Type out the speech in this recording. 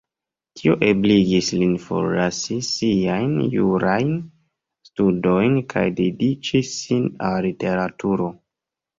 Tio ebligis lin forlasi siajn jurajn studojn kaj dediĉi sin al literaturo.